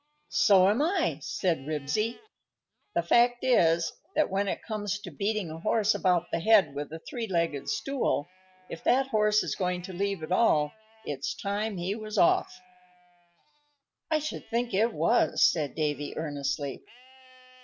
"So am I," said Ribsy. "The fact is, that when it comes to beating a horse about the head with a three legged stool, if that horse is going to leave at all, it's time he was off." "I should think it was," said Davy, earnestly.